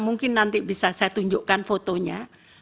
mungkin nanti bisa saya tunjukkan fotonya